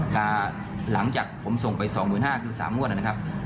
แต่หลังจากผมส่งไป๒๕๐๐คือ๓งวดนะครับ